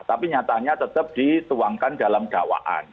tapi nyatanya tetap dituangkan dalam dakwaan